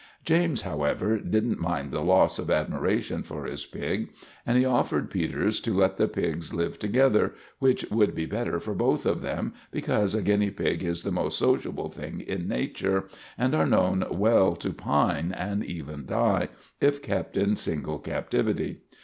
James, however, didn't mind the loss of admiration for his pig, and he offered Peters to let the pigs live together, which would be better for both of them, because a guinea pig is the most sociable thing in Nature, and are known well to pine, and even die, if kept in single captivity.